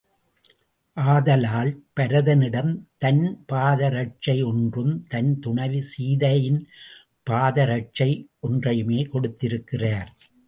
ஆதலால் பரதனிடம் தன் பாதரட்சை ஒன்றும் தன் துணைவி சீதையின் பாதரட்சை ஒன்றையுமே கொடுத்திருக்கிறார்.